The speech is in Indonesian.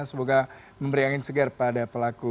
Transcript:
semoga memberi angin segar pada pelaku